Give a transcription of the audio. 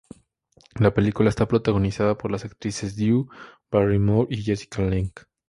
La película está protagonizada por las actrices Drew Barrymore y Jessica Lange.